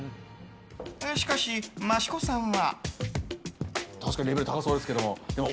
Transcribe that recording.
しかし、益子さんは。